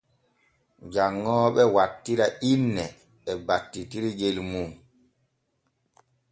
Janŋooɓe wattira inne e battitirgel mum.